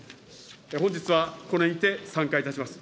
本日はこれにて散会いたします。